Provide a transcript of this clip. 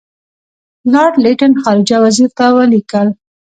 لارډ لیټن خارجه وزیر ته ولیکل.